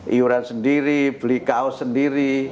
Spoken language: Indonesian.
iuran sendiri beli kaos sendiri